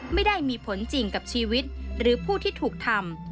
ไม่ได้มีผลจริงกับชีวิตหรือผู้ที่ถูกทำ